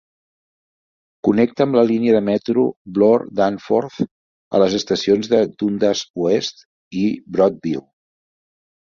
Connecta amb la línia de metro Bloor-Danforth a les estacions de Dundas Oest i Broadview.